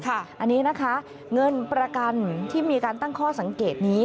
อันนี้นะคะเงินประกันที่มีการตั้งข้อสังเกตนี้